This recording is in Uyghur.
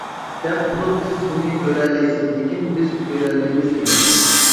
دەپ بولۇپ، سىز ئۇنى كۆرەلەيسىز لېكىن بىز كۆرەلمەيمىز دېگەن.